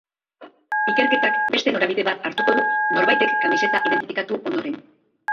Ikerketak beste norabide bat hartuko du norbaitek kamiseta identifikatu ondoren.